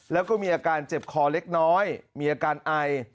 แล้วก็มีอาการเจ็บคอเล็กน้อยมีอาการไอ